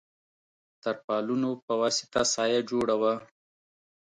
تر پالونو په واسطه سایه جوړه وه.